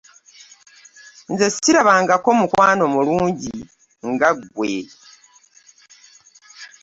Nze sirabangako mukwano mulungi nga ggwe.